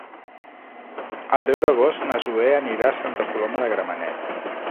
El deu d'agost na Zoè anirà a Santa Coloma de Gramenet.